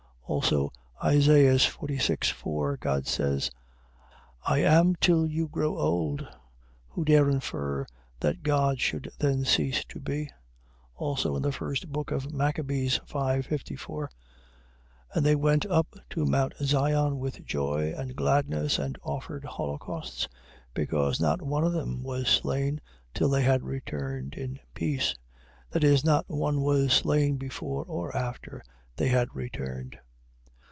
Also Isaias 46. 4, God says: I am till you grow old. Who dare infer that God should then cease to be: Also in the first book of Machabees 5. 54, And they went up to mount Sion with joy and gladness, and offered holocausts, because not one of them was slain till they had returned in peace. That is, not one was slain before or after they had returned.